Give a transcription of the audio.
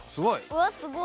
うわっすごっ！